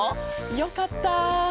よかった。